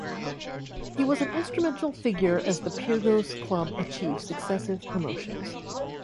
He was an instrumental figure as the Pyrgos club achieved successive promotions.